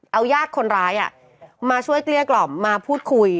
เอายาดคนร้ายมาช่วยเกลี้ยกล่อมมาพูดคุย